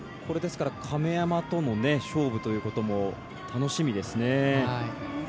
亀山との勝負ということも楽しみですね。